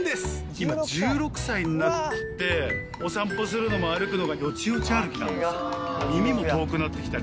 今１６歳になってお散歩するのも歩くのがよちよち歩きなんですよ。